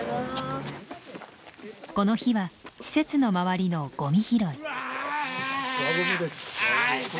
この日は施設の周りのゴミ拾い。